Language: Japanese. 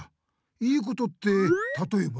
いいことってたとえば？